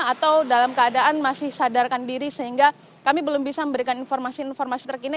atau dalam keadaan masih sadarkan diri sehingga kami belum bisa memberikan informasi informasi terkini